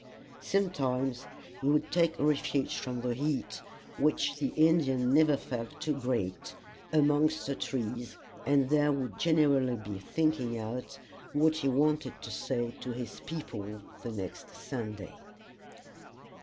Sometimes he would take refuge from the heat, which the Indian never felt too great, amongst the trees, and there would generally be thinking out what he wanted to say to his people the next Sunday.